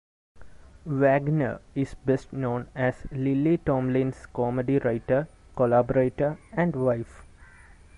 Wagner is best known as Lily Tomlin's comedy writer, collaborator and wife.